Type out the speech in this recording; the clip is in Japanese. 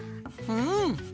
うん！